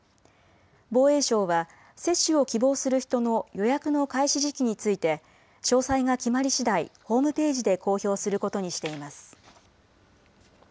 防衛省は接種を希望する人の予約の開始時期について詳細が決まりしだいホームページで公表することにしています。